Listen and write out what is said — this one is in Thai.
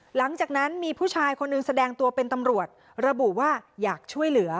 หลังจากนั้นมีผู้ชายคนหนึ่งแสดงตัวเป็นตำรวจระบุว่าอยากช่วยเหลือ